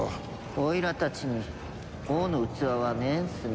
おいらたちに王の器はねえんすね。